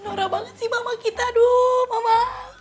nora banget sih mama kita aduh mama